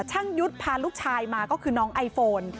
ช่างยุทธ์พาลูกชายมาก็คือน้องไอโฟน